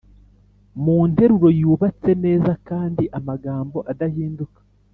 Mu nteruro yubatse neza hari amagambo adahinduka